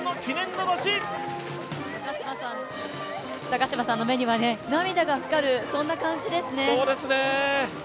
高島さんの目には涙が光る、そんな感じですね。